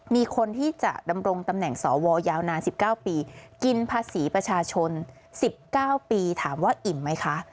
มีคนที่จะดำรงตำแหน่งสวยยาวนาน๑๙ปีกินภาษีประชาชน๑๙ปีถามว่าอิ่มไหมคะ